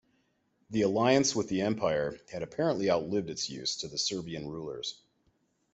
The alliance with the Empire had apparently outlived its use to the Serbian rulers.